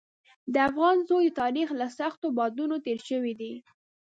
د افغان زوی د تاریخ له سختو بادونو تېر شوی دی.